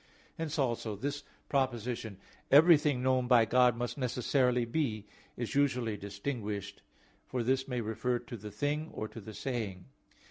Hence also this proposition, "Everything known by God must necessarily be," is usually distinguished; for this may refer to the thing, or to the saying.